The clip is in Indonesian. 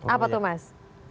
apa tuh mas